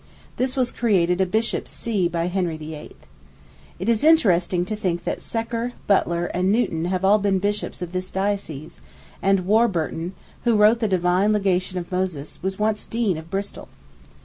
This was created a bishop's see by Henry VIII. It is interesting to think that Secker, Butler, and Newton have all been bishops of this diocese, and Warburton, who wrote the Divine Legation of Moses, was once Dean of Bristol.